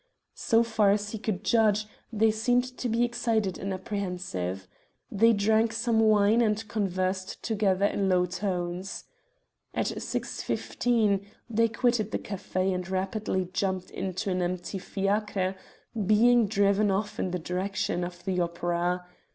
So far as he could judge, they seemed to be excited and apprehensive. They drank some wine and conversed together in low tones. At 6.15 they quitted the café and rapidly jumped into an empty fiacre, being driven off in the direction of the Opera.